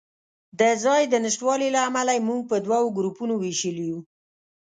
د ځای د نشتوالي له امله یې موږ په دوو ګروپونو وېشلي یو.